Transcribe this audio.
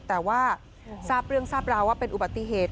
แต่ว่าทราบเรื่องทราบราวว่าเป็นอุบัติเหตุ